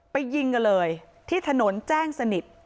ยิงกันเลยที่ถนนแจ้งสนิท